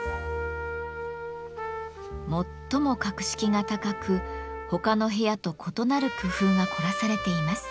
最も格式が高く他の部屋と異なる工夫が凝らされています。